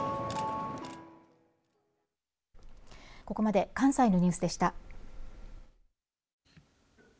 ここまで関西のニュースでした。